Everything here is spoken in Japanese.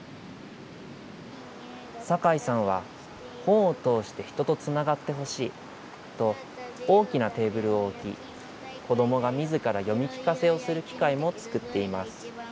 酒井さんは、本を通して人とつながってほしいと、大きなテーブルを置き、子どもがみずから読み聞かせをする機会も作っています。